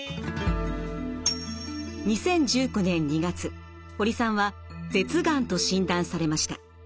２０１９年２月堀さんは舌がんと診断されました。